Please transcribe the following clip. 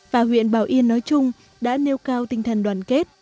và huyện bảo yên nói chung đã nêu cao tinh thần đoàn kết